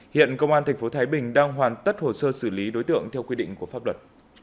hiện công an tp thái bình đang hoàn tất hồ sơ xử lý đối tượng theo quy định của pháp luật